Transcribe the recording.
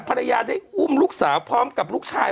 ภรรยาได้อุ้มลูกสาวพร้อมกับลูกชาย